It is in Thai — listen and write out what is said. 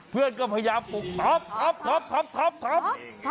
เพื่อนก็พยายามตุบท็อปอย่างไม่ตื่น